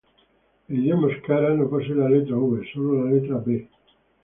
El idioma euskera no posee la letra v, solo la letra b.